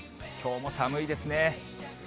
きょうも寒いですね。